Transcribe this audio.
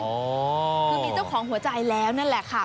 คือมีเจ้าของหัวใจแล้วนั่นแหละค่ะ